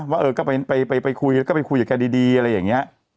ว่าไปคุยกับแกดีอะไรอย่างนี้